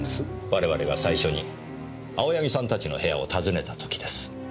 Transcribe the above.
我々が最初に青柳さんたちの部屋を訪ねた時です。